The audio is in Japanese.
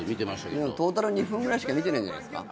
トータル２分ぐらいしか見てないんじゃないですか？